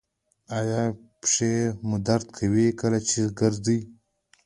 ایا پښې مو درد کوي کله چې ګرځئ؟